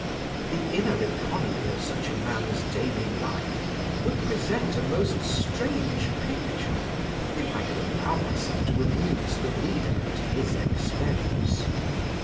The inner economy of such a man's daily life would present a most strange picture, if I could allow myself to amuse the reader at his expense.